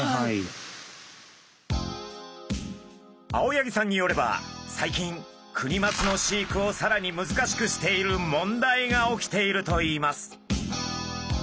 青柳さんによれば最近クニマスの飼育をさらに難しくしている問題が起きているといいます。